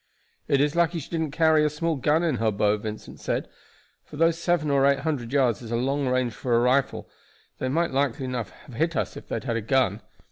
"It is lucky she didn't carry a small gun in her bow," Vincent said; "for though seven or eight hundred yards is a long range for a rifle, they might likely enough have hit us if they had had a gun.